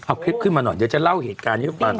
เอาคลิปขึ้นมาหน่อยเดี๋ยวจะเล่าเหตุการณ์ให้ฟัง